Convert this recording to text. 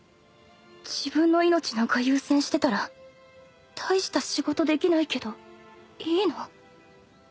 自分の命なんか優先してたら大した仕事できないけどいいの？